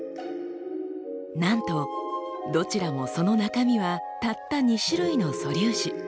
なんとどちらもその中身はたった２種類の素粒子。